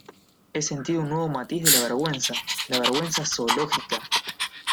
he sentido un nuevo matiz de la vergüenza: la vergüenza zoológica.